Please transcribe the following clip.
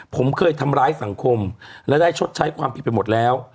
ผมเคยทำร้ายสังคมและได้ชดใช้ความผิดไปหมดแล้ว